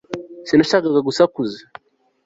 sinashakaga gusakuza